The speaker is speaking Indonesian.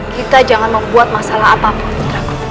kita jangan membuat masalah apapun